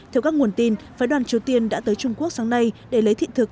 theo các nguồn tin phái đoàn triều tiên đã tới trung quốc sáng nay để lấy thị thực